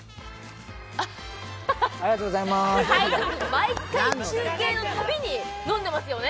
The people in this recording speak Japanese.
毎回中継の度に飲んでますよね。